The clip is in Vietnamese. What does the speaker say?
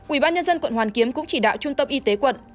ủy ban nhân dân quận hoàn kiếm cũng chỉ đạo trung tâm y tế quận